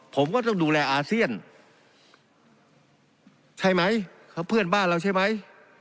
ผมก็ต้องดูแลอาเซียนใช่ไหมเขาเพื่อนบ้านเราใช่ไหม